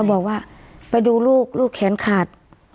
เขาบอกว่าไปดูลูกลูกแขนขาดอ๋อ